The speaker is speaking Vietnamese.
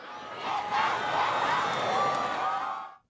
việt nam vô địch